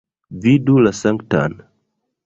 Vidu la Sanktan!